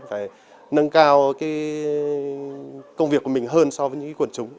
phải nâng cao công việc của mình hơn so với những quân trúng